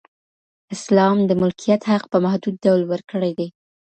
اسلام د ملکیت حق په محدود ډول ورکړی دی.